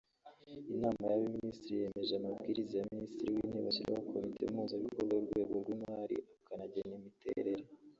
Inama y’Abaminisitiri yemeje Amabwiriza ya Minisitiri w’Intebe ashyiraho Komite Mpuzabikorwa y’Urwego rw’Imari akanagena imiterere